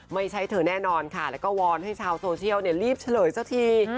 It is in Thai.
ไม่ใช่เธอแน่นอนค่ะแล้วก็วอนให้ชาวโซเชียลรีบเฉลยสักที